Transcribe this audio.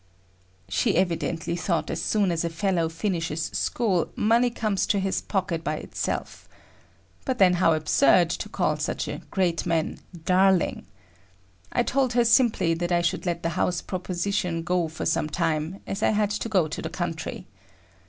She evidently thought as soon as a fellow finishes school, money comes to his pocket by itself. But then how absurd to call such a "great man" "Darling." I told her simply that I should let the house proposition go for some time, as I had to go to the country.